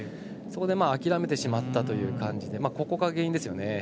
そこで諦めてしまったという感じでここが原因ですよね。